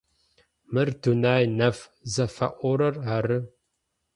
Мыр Дунай нэф зыфаӏорэр ары.